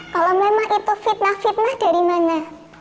kalau memang itu fitnah fitnah dari mana